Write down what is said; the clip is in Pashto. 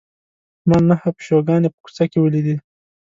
ما نهه پیشوګانې په کوڅه کې ولیدې.